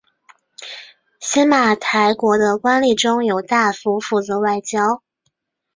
邪马台国的官吏中有大夫负责外交。